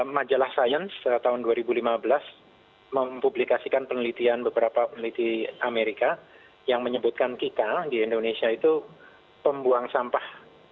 majalah science tahun dua ribu lima belas mempublikasikan penelitian beberapa peneliti amerika yang menyebutkan kita di indonesia itu pembuang sampah